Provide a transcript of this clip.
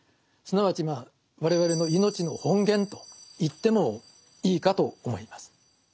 すなわちまあ我々の命の本源と言ってもいいかと思います。